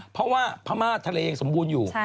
เพราะว่าพม่าทะเลยังสมบูรณ์อยู่